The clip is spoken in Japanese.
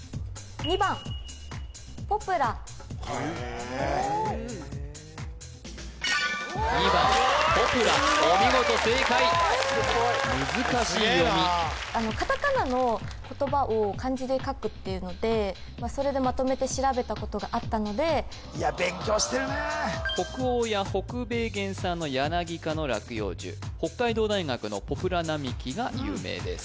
２番ポプラお見事正解難しい読みカタカナの言葉を漢字で書くっていうのでそれでまとめて調べたことがあったのでいや勉強してるねー北欧や北米原産のヤナギ科の落葉樹北海道大学のポプラ並木が有名です